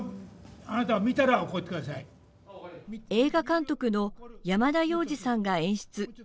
映画監督の山田洋次さんが演出。